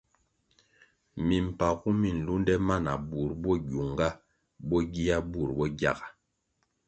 Mimpagu mi lunde ma na burʼ bo gyunga bo gia burʼ bo gyaga.